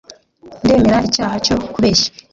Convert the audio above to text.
Ndemera icyaha cyo kubeshya